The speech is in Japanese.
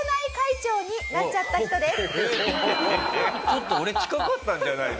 ちょっと俺近かったんじゃないの？